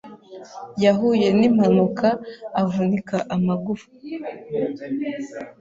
Yahuye nimpanuka avunika amagufwa.